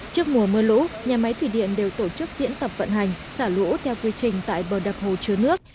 trước mùa mưa lũ nhà máy thủy điện đều tổ chức diễn tập vận hành xả lũ theo quy trình tại bờ đập hồ chứa nước